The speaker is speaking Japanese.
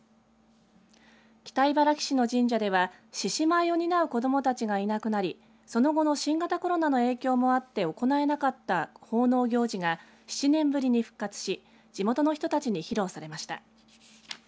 北茨城市の神社では獅子舞を担う子どもたちがいなくなりその後の新型コロナの影響もあって行えなかった奉納行事が７年ぶりに復活し地元の人たちに披露されました。